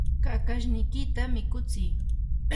kakashniykita mikutsii